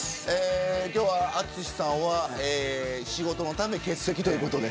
今日は淳さんは仕事のため欠席ということで。